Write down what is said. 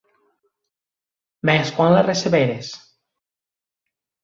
Mès quan la receberes?